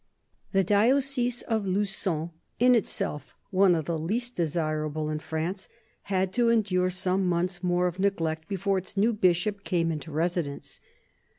THE diocese of Lugon— in itself one of the least desir able in France— had to endure some months more of neglect before its new Bishop came into residence.